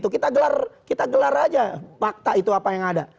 kita gelar kita gelar aja fakta itu apa yang ada